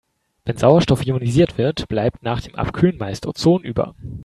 Wenn Sauerstoff ionisiert wird, bleibt nach dem Abkühlen meist Ozon über.